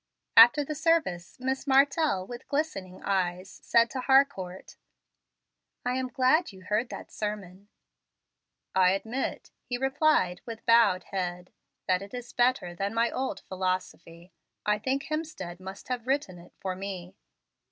After the service, Miss Martell, with glistening eyes, said to Harcourt, "I am glad you heard that sermon." "I admit," he replied, with bowed head, "that it is better than my old philosophy. I think Hemstead must have written it for me."